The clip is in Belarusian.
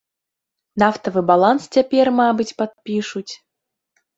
Нафтавы баланс цяпер, мабыць, падпішуць.